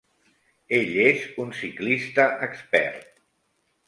Ell és un ciclista expert.